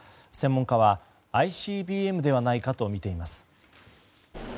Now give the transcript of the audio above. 専門家はＩＣＢＭではないかとみています。